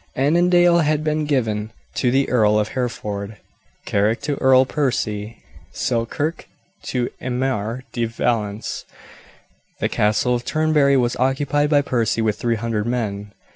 Annandale had been given to the Earl of Hereford, Carrick to Earl Percy, Selkirk to Aymer de Valence. The castle of Turnberry was occupied by Percy with three hundred men.